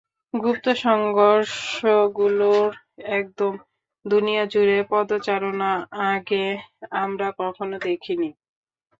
গুপ্তসংঘগুলোর এরকম দুনিয়াজুড়ে পদচারণা আগে আমরা কখনও দেখিনি।